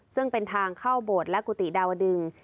ซึ่งเป็นทางเข้าโบสถ์และกุฏิดาวดึง